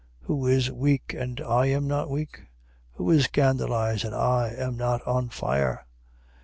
Who is weak, and I am not weak? Who is scandalized, and I am not on fire?